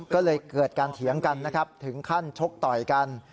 ก็เลยเกิดการเถียงกันนะครับถึงขั้นชกต่อยกัน